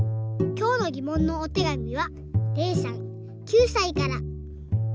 きょうのぎもんのおてがみはれいさん９さいから。